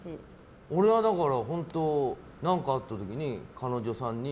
俺はだから本当何かあった時に彼女さんに。